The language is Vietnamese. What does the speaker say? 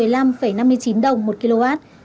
là chín trăm một mươi năm năm mươi chín đồng một kwh